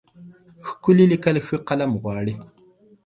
ښکلي لیکل ښه قلم غواړي.